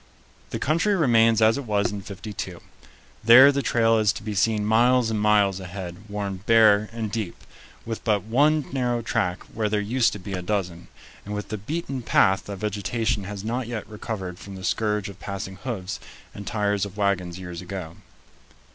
The country remains as it was in '52. There the trail is to be seen miles and miles ahead, worn bare and deep, with but one narrow track where there used to be a dozen, and with the beaten path that vegetation has not yet recovered from the scourge of passing hoofs and tires of wagons years ago.